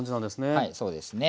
はいそうですね。